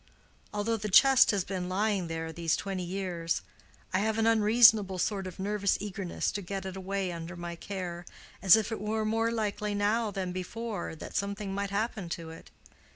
"Although the chest has been lying there these twenty years, I have an unreasonable sort of nervous eagerness to get it away under my care, as if it were more likely now than before that something might happen to it.